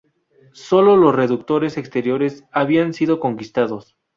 Sólo los reductos exteriores habían sido conquistados.